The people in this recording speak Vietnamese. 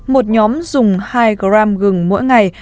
một nhóm dùng hai gram gừng mỗi ngày